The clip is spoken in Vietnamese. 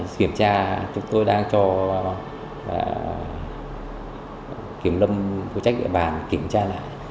kiểm tra chúng tôi đang cho kiểm lâm phụ trách địa bàn kiểm tra lại